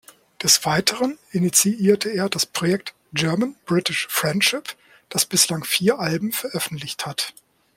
Des Weiteren initiierte er das Projekt German-British-Friendship, das bislang vier Alben veröffentlicht hat.